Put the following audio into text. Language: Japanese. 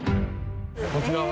こちらは？